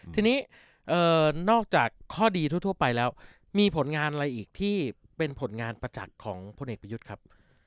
ทีนี้นอกจากข้อดีทั่วไปแล้วมีผลงานอะไรอีกที่เป็นผลงานประจักษ์ของพลเอกประยุทธ์ครับ